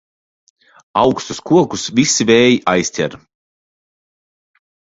Augstus kokus visi vēji aizķer.